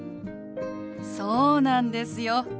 そうなんですよ。